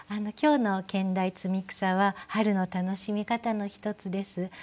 今日の兼題「摘草」は春の楽しみ方の一つです。